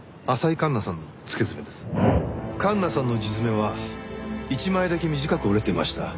環那さんの自爪は１枚だけ短く折れてました。